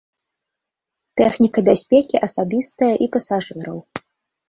Тэхніка бяспекі асабістая і пасажыраў.